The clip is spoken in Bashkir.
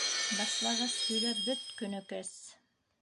Башлағас, һөйләп бөт, Көнөкәс...